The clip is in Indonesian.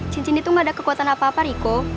cincin itu gak ada kekuatan apa apa riko